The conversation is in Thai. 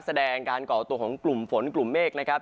แสดงการก่อตัวของกลุ่มฝนกลุ่มเมฆนะครับ